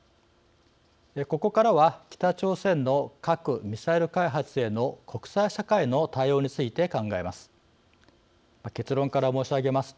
ここからは北朝鮮の核・ミサイル開発への国際社会の対応について考えます。